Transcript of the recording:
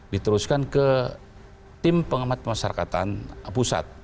diteruskan ke tim pengamat pemasarakatan pusat